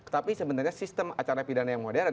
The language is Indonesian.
tapi sebenarnya sistem acara pidana yang modern